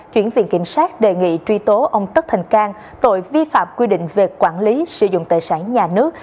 chuyển viện kiểm sát đề nghị truy tố ông tất thành cang tội vi phạm quy định về quản lý sử dụng tài sản nhà nước